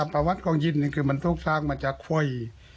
แต่ประวัติของยิ่นนั้นคือมันทุกทางมันจะค่อย